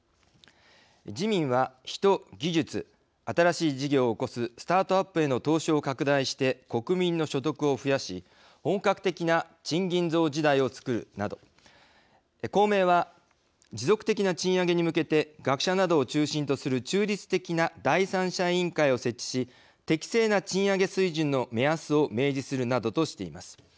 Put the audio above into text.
自民は人、技術、新しい事業を起こすスタートアップへの投資を拡大して国民の所得を増やし本格的な賃金増時代を創るなど公明は、持続的な賃上げに向けて学者などを中心とする中立的な第三者委員会を設置し適正な賃上げ水準の目安を明示するなどとしています。